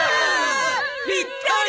ぴったり！